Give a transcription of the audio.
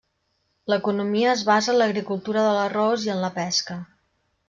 L'economia es basa en l'agricultura de l'arròs i en la pesca.